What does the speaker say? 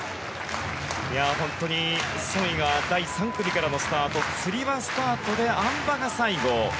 ソン・イが第３組からのスタートつり輪スタートであん馬が最後。